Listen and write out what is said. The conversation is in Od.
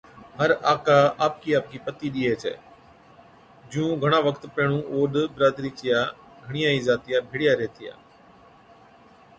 ھر آڪھ آپڪِي آپڪِي پتِي ڏِيئَي ڇَي۔ جُون گھڻا وقت پيھڻُون اوڏ برادرِي چِيا گھڻِيا ئِي ذاتيا ڀيڙِيا ريھتِيا